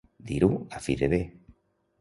Dir-ho a fi de bé.